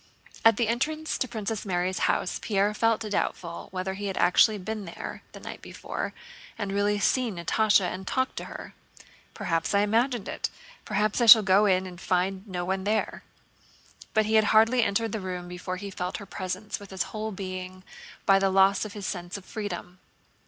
At the entrance to Princess Mary's house Pierre felt doubtful whether he had really been there the night before and really seen Natásha and talked to her. "Perhaps I imagined it; perhaps I shall go in and find no one there." But he had hardly entered the room before he felt her presence with his whole being by the loss of his sense of freedom.